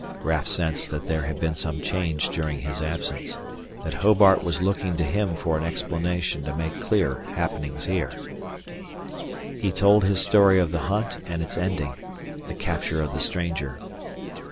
Raf sensed that there had been some change during his absence, that Hobart was looking to him for an explanation to make clear happenings here. He told his story of the hunt and its ending, the capture of the stranger.